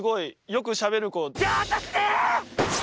よくしゃべるこ。